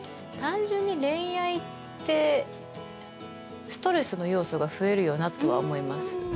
単純に恋愛ってストレスの要素が増えるよなとは思います。